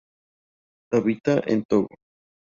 Habita en Togo.